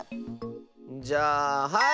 じゃあはい！